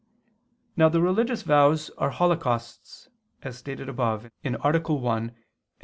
Now the religious vows are holocausts, as stated above (AA. 1, 3, ad 6).